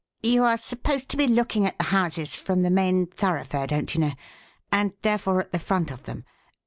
"You are supposed to be looking at the houses from the main thoroughfare, don't you know, and, therefore, at the front of them.